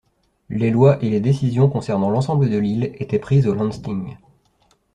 Les lois et les décisions concernant l'ensemble de l'île étaient prises au Landsting.